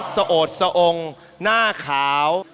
โอดสะองหน้าขาว